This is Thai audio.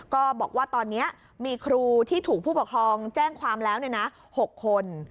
ก็บอกว่าตอนนี้มีครูที่ถูกผู้ปกครองแจ้งความแล้ว๖คน